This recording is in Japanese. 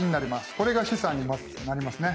これが資産にまずなりますね。